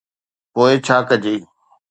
پوءِ ڇا ڪجي؟